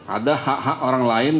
ada hak hak orang lain